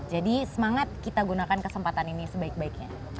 jadi semangat kita gunakan kesempatan ini sebaik baiknya